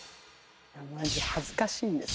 恥ずかしいんです